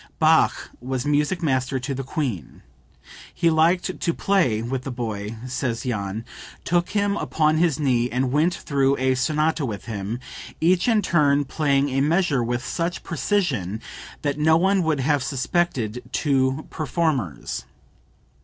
[Bach was Music Master to the Queen. "He liked to play with the boy," says Jahn; "took him upon his knee and went through a sonata with him, each in turn playing a measure with such precision that no one would have suspected two performers.